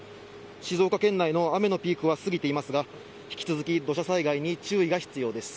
静岡県内の雨のピークは過ぎていますが引き続き土砂災害に注意が必要です。